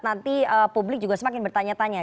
nanti publik juga semakin bertanya tanya